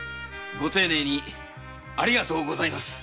ご丁寧にありがとうございます。